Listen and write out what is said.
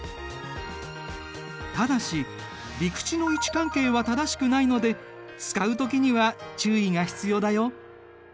ただし陸地の位置関係は正しくないので使う時には注意が必要だよ。